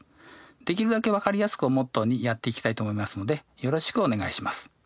できるだけ分かりやすくをモットーにやっていきたいと思いますのでよろしくお願いします。